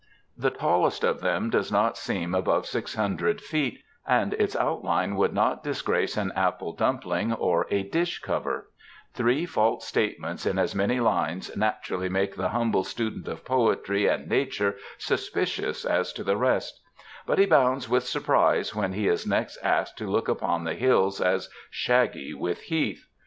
The tallest of them does not seem above 600 feet, and its outline would not disgrace an apple dumpling or a dish cover* Three false stateipents in as many lines naturally make the humble student of poetry and nature suspicious ^ to the rest ; but he bounds with siurprise when he is next asked to look upon the hills as ^* shaggy with heath.